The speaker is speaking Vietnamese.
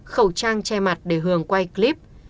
khẩu trang che mặt để hường quay clip